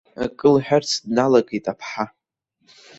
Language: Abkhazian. Акы лҳәарц дналагеит аԥҳа.